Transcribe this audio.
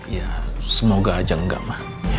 ya semoga aja enggak lah